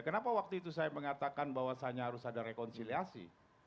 kenapa waktu itu saya mengatakan bahwasannya harus ada rekonsiliasi